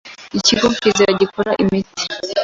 Ikigo Pfizer gikora imiti,